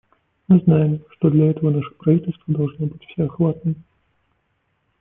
Мы знаем, что для этого наше правительство должно быть всеохватным.